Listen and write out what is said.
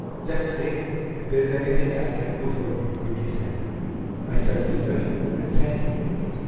"Just ring if there's anything I can do for you," Vicki said. "I certainly will, and thank you."